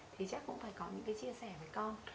thì chắc cũng phải có những cái chia sẻ với con